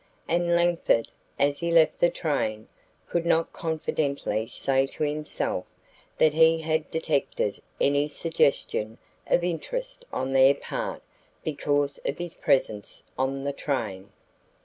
And Langford, as he left the train, could not confidently say to himself that he had detected any suggestion of interest on their part because of his presence on the train.